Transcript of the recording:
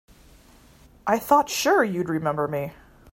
I thought sure you'd remember me.